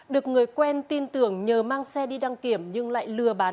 được người quen tin tưởng nhờ mang xe đi đăng kiểm nhưng lại lừa bán